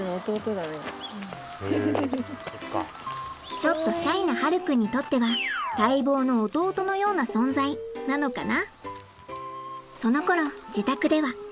ちょっとシャイな葉琉君にとっては待望の弟のような存在なのかな？